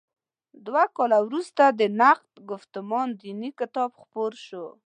دوه کاله وروسته د «نقد ګفتمان دیني» کتاب خپور شو.